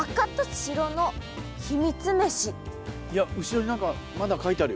いや後ろに何かまだ書いてあるよ？